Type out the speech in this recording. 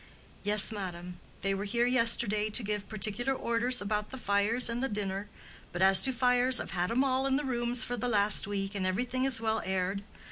"Yes, madam; they were here yesterday to give particular orders about the fires and the dinner. But as to fires, I've had 'em in all the rooms for the last week, and everything is well aired.